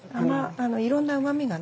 いろんなうまみがね。